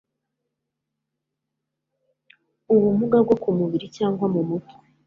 ubumuga bwo ku mubiri cyangwa mu mutwe